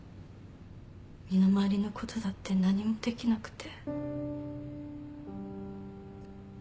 身の回りのことだって何もできなくて。